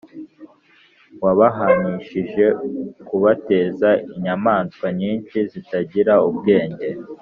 wabahanishije kubateza inyamaswa nyinshi zitagira ubwenge,